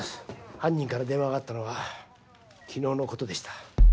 犯人から電話があったのは昨日のことでした。